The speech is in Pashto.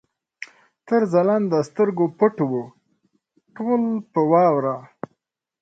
تر ځلانده سترګو پټ وو، ټول په واوره